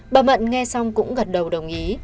bà mận nghe xong cũng gật đầu đồng ý